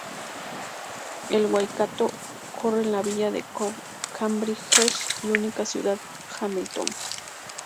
El Waikato corre en la villa de Cambridge y su única ciudad, Hamilton.